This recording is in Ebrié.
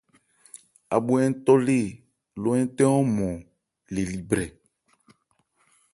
Ábhwe ń tɔ lê ló ń tɛ ɔ́nmɔn le li brɛ.